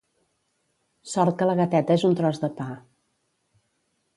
Sort que la gateta és un tros de pa.